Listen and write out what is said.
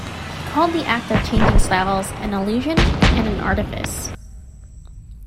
He called the act of changing styles an "illusion" and an "artifice".